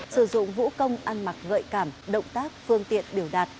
sử dụng vũ công ăn mặc gợi cảm động tác phương tiện biểu đạt